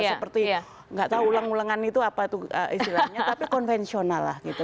seperti nggak tahu ulang ulangan itu apa itu istilahnya tapi konvensional lah gitu